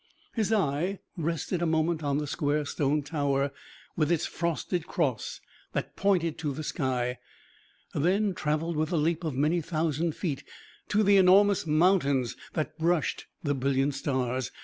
His eye rested a moment on the square stone tower with its frosted cross that pointed to the sky: then travelled with a leap of many thousand feet to the enormous mountains that brushed the brilliant stars.